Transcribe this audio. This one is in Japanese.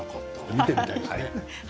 見てみたいですね。